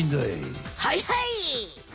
はいはい！